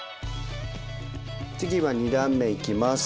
次は２段目いきます。